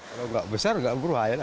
kalau enggak besar enggak perlu air